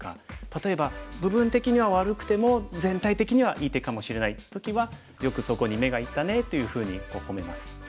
例えば部分的には悪くても全体的にはいい手かもしれない時は「よくそこに目がいったね」っていうふうにほめます。